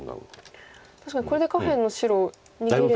確かにこれで下辺の白逃げれば。